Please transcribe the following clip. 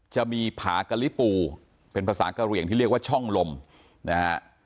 จะมีผากะลิปูเป็นภาษากะเหลี่ยงที่เรียกว่าช่องลมนะฮะ